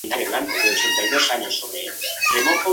La serie es creada por Lennon Parham y Jessica St.